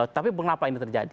tapi mengapa ini terjadi